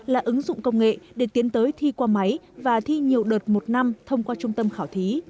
là ứng dụng công nghệ để tiến tới thi qua máy và thi nhiều đợt một năm thông qua trung tâm khảo thí